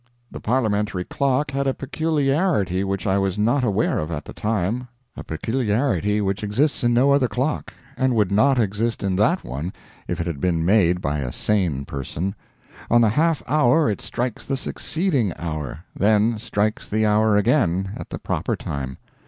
The parliamentary clock had a peculiarity which I was not aware of at the time a peculiarity which exists in no other clock, and would not exist in that one if it had been made by a sane person; on the half hour it strikes the succeeding hour, then strikes the hour again, at the proper time.